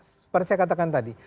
seperti saya katakan tadi